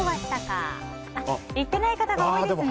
行っていない方が多いですね。